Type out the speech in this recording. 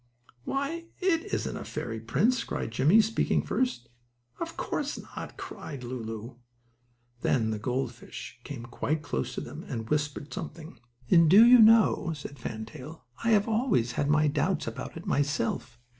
"Why, that isn't a fairy prince!" cried Jimmie, speaking first. "Of course not," added Lulu. Then the gold fish came quite close to them and whispered something. "Do you know," said Fan Tail, "I have always had my doubts about it myself.